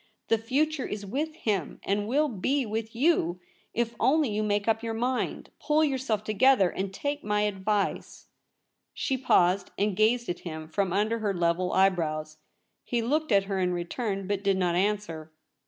The future is with him, and will be with you, if only you make up your mind, pull yourself together, and take my advice.' She paused, and gazed at him from under her level eye brows. He looked at her in return, but did not answer.